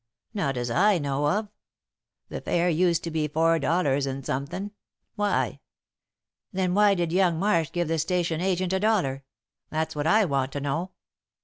"Not as I know of. The fare used to be four dollars and somethin'. Why?" "Then why did young Marsh give the station agent a dollar? That's what I want to know."